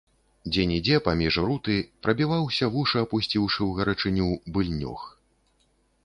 Дзе-нідзе, паміж руты, прабіваўся, вушы апусціўшы ў гарачыню, быльнёг.